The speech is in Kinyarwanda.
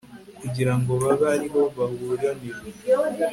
kugirango babe ariho baburanira